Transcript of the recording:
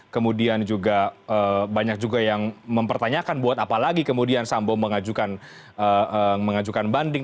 kemudian juga banyak juga yang mempertanyakan buat apalagi kemudian sambo mengajukan banding